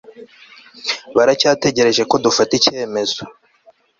baracyategereje ko dufata icyemezo